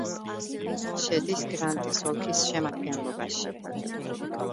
შედის გრანტის ოლქის შემადგენლობაში.